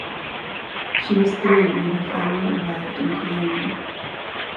She was three when her family arrived in Cologne.